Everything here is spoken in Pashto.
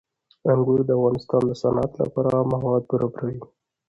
انګور د افغانستان د صنعت لپاره مواد برابروي.